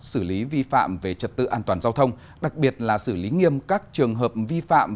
xử lý vi phạm về trật tự an toàn giao thông đặc biệt là xử lý nghiêm các trường hợp vi phạm